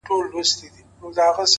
هره لاسته راوړنه خپل وخت غواړي!.